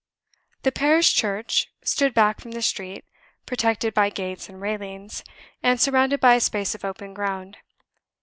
The parish church stood back from the street, protected by gates and railings, and surrounded by a space of open ground.